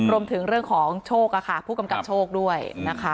รวมถึงเรื่องของโชคผู้กำกับโชคด้วยนะคะ